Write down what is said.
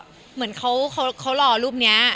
ใช่ค่ะเหมือนเขารอรูปนี้